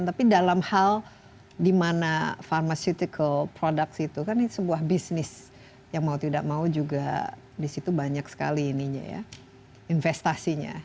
tapi dalam hal di mana pharmaceutical products itu kan sebuah bisnis yang mau tidak mau juga disitu banyak sekali ininya ya investasinya